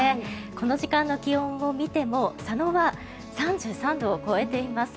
この時間の気温を見ても佐野は３３度を超えています。